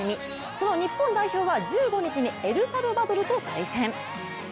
その日本代表は１５日にエルサルバドルと対戦。